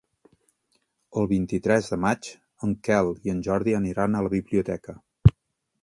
El vint-i-tres de maig en Quel i en Jordi aniran a la biblioteca.